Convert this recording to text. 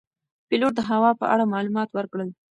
پیلوټ د هوا په اړه معلومات ورکړل.